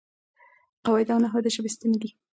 قواعد او نحو د ژبې ستنې دي.